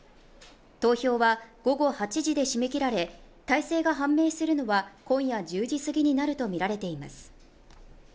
投票は午後８時で締め切られ大勢が判明するのは今夜１０時すぎになるとみられています。